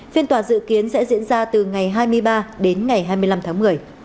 phiên tòa dự kiến sẽ diễn ra từ ngày hai mươi ba đến ngày hai mươi năm tháng một mươi